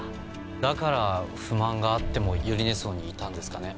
だから不満があっても百合根荘にいたんですかね？